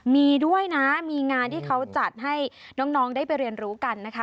มีด้วยนะมีงานที่เขาจัดให้น้องได้ไปเรียนรู้กันนะคะ